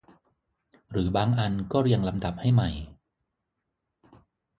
หรือบางอันก็เรียงลำดับให้ใหม่